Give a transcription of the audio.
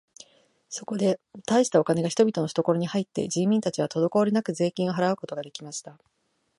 そこで大したお金が人々のふところに入って、人民たちはとどこおりなく税金を払うことが出来ました。